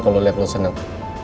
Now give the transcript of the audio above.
kalau liat lo seneng